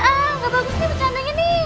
ah gak bagus nih bercandanya nih